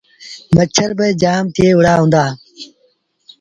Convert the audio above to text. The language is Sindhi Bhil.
مڇر با جآم ٿئي وُهڙآ هُݩدآ۔